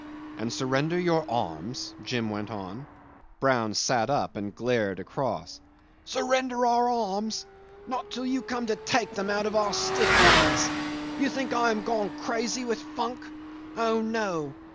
"And surrender your arms?" Jim went on. Brown sat up and glared across. "Surrender our arms! Not till you come to take them out of our stiff hands. You think I am gone crazy with funk? Oh no!